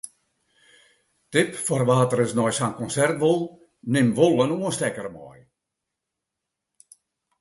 Tip foar wa’t ris nei sa’n konsert wol:: nim wol in oanstekker mei.